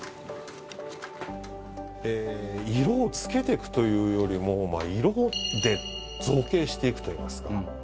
色を付けて行くというよりも色で造形して行くといいますか